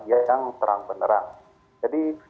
ya yang terang beneran jadi